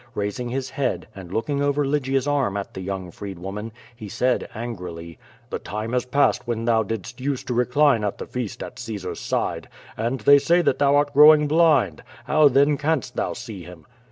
Baising his head, and looking over Lygia's arm at the young freedwoman, he said angrily: '^The time has passed when thou didst use to recline at the feast at Caesar's side, and they say that thou art growing blind. How, then, canst thou see him?